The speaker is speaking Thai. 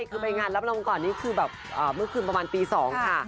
ใช่คือไปงานรับรางวัลจ่อนนี้คือแบบเมื่อคืนประมาณปีสองค่ะ